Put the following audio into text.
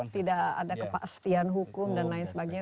tidak ada kepastian hukum dan lain sebagainya